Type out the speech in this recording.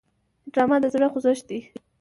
ډرامه د زړه خوځښت دی